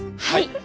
はい。